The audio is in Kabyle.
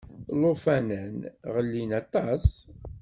Ilufanen ɣellin aṭas.